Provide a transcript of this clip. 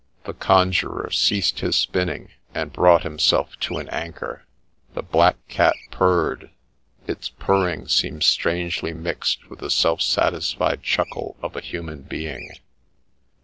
The Conjurer ceased his spinning, and brought himself to an anchor ; the black cat purred, — its purring seemed strangely mixed with the self satisfied chuckle of a human being.